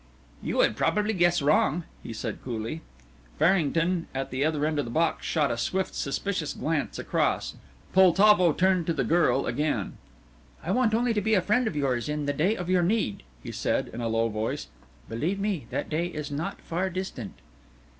"You would probably guess wrong," he said coolly. Farrington, at the other end of the box, shot a swift, suspicious glance across. Poltavo turned to the girl again. "I want only to be a friend of yours in the day of your need," he said, in a low voice; "believe me, that day is not far distant."